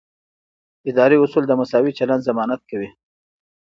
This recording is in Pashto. اداري اصول د مساوي چلند ضمانت کوي.